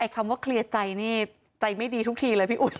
คำว่าเคลียร์ใจนี่ใจไม่ดีทุกทีเลยพี่อุ๋ย